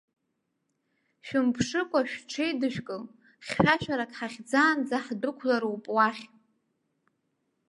Шәымԥшыкәа шәҽеидышәкыл, хьшәашәарак ҳахьӡаанӡа ҳдәықәлароуп уахь!